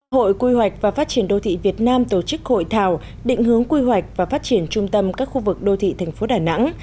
hội quy hoạch và phát triển đô thị việt nam tổ chức hội thảo định hướng quy hoạch và phát triển trung tâm các khu vực đô thị thành phố đà nẵng